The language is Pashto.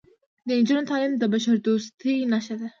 د نجونو تعلیم د بشردوستۍ نښه ده.